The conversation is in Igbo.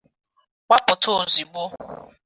gbapụta ozigbo